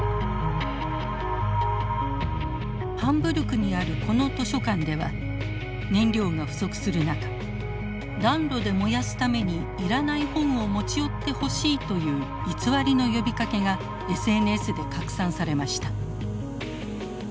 ハンブルクにあるこの図書館では燃料が不足する中暖炉で燃やすためにいらない本を持ち寄ってほしいという偽りの呼びかけがＳＮＳで拡散されました。